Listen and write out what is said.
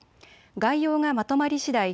概要がまとまりしだい